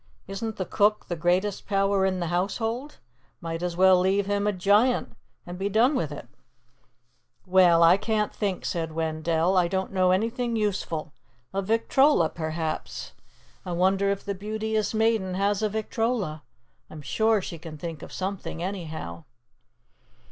Isn't the cook the greatest power in the household? Might as well leave him a giant and be done with it!" "Well, I can't think," said Wendell. "I don't know anything useful. A victrola, perhaps. I wonder if the Beauteous Maiden has a victrola. I'm sure she can think of something, anyhow."